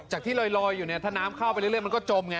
ที่ลอยอยู่เนี่ยถ้าน้ำเข้าไปเรื่อยมันก็จมไง